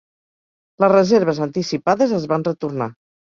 Les reserves anticipades es van retornar.